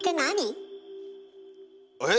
えっ？